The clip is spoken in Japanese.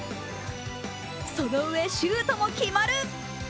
そのうえ、シュートも決まる。